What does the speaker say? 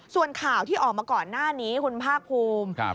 ส่วนข่าวที่ออกมาก่อนหน้านี้คุณภาคภูมิ